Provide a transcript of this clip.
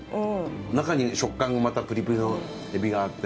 中に食感がまたプリプリの海老があって。